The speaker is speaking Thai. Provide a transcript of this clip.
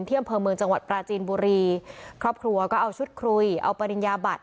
อำเภอเมืองจังหวัดปราจีนบุรีครอบครัวก็เอาชุดคุยเอาปริญญาบัตร